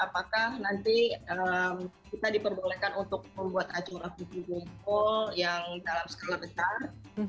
apakah nanti kita diperbolehkan untuk membuat acara fujifilm school yang dalam skala besar